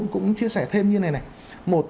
cũng chia sẻ thêm như này này một